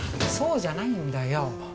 そうじゃないんだよ